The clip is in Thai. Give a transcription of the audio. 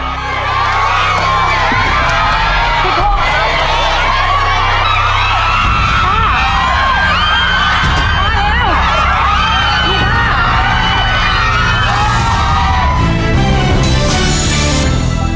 พี่โทษครับ